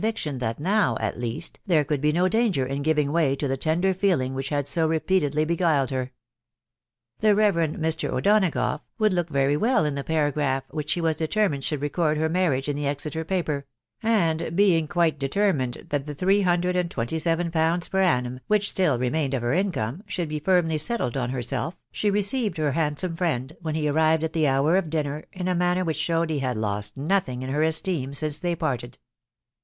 457 viction that now, at least, there could be no danger in giving way to the tender feeling which had so repeatedly beguiled her. "The reverend Mr. O'Donagough" would look very well in the paragraph which she was determined should record her marriage in the Exeter paper; and being quite determined that the three hundred and twenty seven pounds per annum, which still remained of her income, should be firmly settled on herself, she received her handsome friend when he arrived at the hour of dinner, in a manner which showed he had lost nothing in her esteem since they parted.